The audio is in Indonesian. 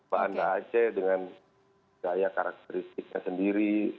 banda aceh dengan gaya karakteristiknya sendiri